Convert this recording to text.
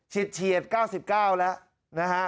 เฉียด๙๙แล้วนะฮะ